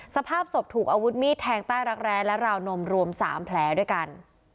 สภาพศพถูกอาวุธมีดแทงใต้รักแร้และราวนมรวม๓แผลด้วยกัน